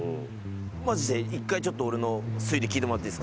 マジで一回俺の推理聞いてもらっていいですか？